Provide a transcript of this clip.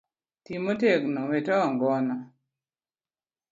Ti motego, we toyo ngona